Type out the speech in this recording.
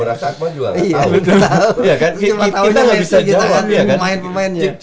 lu cuma tau kita gak bisa jawab